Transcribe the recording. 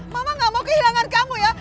mama gak mau kehilangan kamu ya